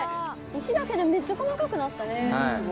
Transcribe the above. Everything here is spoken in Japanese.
石だけでめっちゃ細かくなったね。